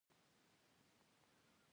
د ترمیم کارکوونکی خپل کار ښه کوي.